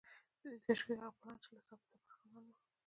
د دې تشکیل هغه پلان چې له ثباته برخمن و